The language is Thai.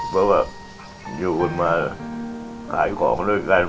เพราะว่าอยู่กันมาขายของด้วยกัน